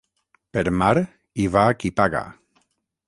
Per mar, hi va qui paga.